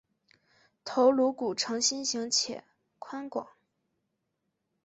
头颅骨呈心型且宽广。